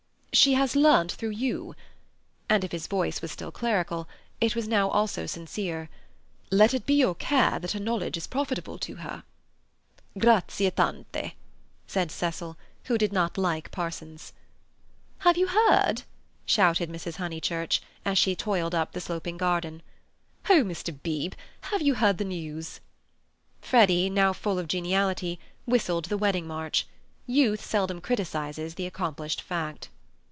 "She has learnt through you," and if his voice was still clerical, it was now also sincere; "let it be your care that her knowledge is profitable to her." "Grazie tante!" said Cecil, who did not like parsons. "Have you heard?" shouted Mrs. Honeychurch as she toiled up the sloping garden. "Oh, Mr. Beebe, have you heard the news?" Freddy, now full of geniality, whistled the wedding march. Youth seldom criticizes the accomplished fact.